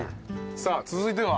さあ続いては？